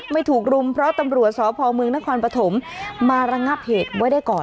ถูกรุมเพราะตำรวจสพเมืองนครปฐมมาระงับเหตุไว้ได้ก่อน